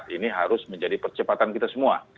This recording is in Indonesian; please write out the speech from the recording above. ini harus menjadi percepatan kita semua